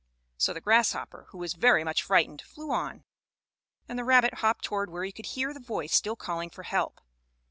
So the grasshopper, who was very much frightened, flew on, and the rabbit hopped toward where he could hear the voice still calling for help.